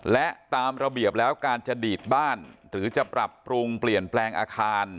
และตามระเบียบแล้วการจะดีดบ้านหรือจะปรับปรุงเปลี่ยนแปลงอาคาร